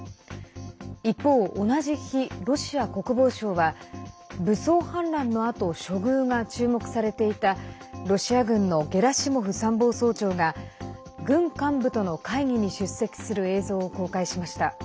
一方、同じ日、ロシア国防省は武装反乱のあと処遇が注目されていたロシア軍のゲラシモフ参謀総長が軍幹部との会議に出席する映像を公開しました。